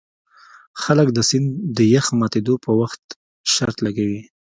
خلک د سیند د یخ ماتیدو په وخت شرط لګوي